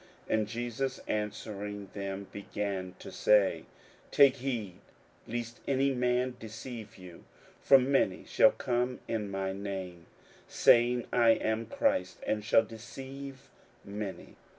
41:013:005 And Jesus answering them began to say, Take heed lest any man deceive you: 41:013:006 For many shall come in my name, saying, I am Christ; and shall deceive many.